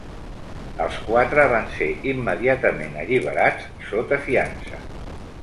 Els quatre van ser immediatament alliberats sota fiança.